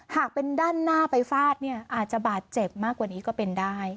หากเป็นด้านหน้าไปฟาดเนี่ยอาจจะบาดเจ็บมากกว่านี้ก็เป็นได้